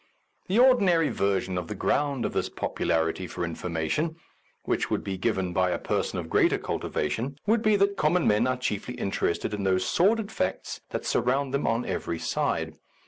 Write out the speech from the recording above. The ordinary version of the ground of this popularity for information, which would be given by a person of greater cultivation, would be that common men are chiefly interested in those sordid facts that surround them on every side.